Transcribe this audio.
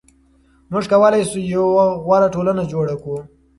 موږ کولای شو یوه غوره ټولنه جوړه کړو.